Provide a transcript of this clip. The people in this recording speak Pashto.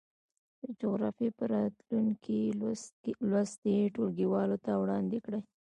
د جغرافيې په راتلونکي لوست یې ټولګیوالو ته وړاندې کړئ.